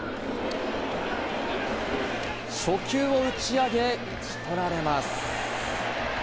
初球を打ち上げ、打ち取られます。